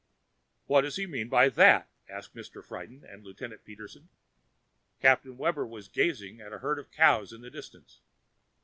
"What does he mean by that?" asked Mr. Friden and Lieutenant Peterson. Captain Webber was gazing at a herd of cows in the distance.